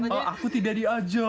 oh aku tidak diajak